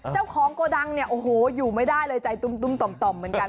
โกดังเนี่ยโอ้โหอยู่ไม่ได้เลยใจตุ้มต่อมเหมือนกัน